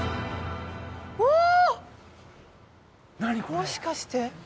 もしかして。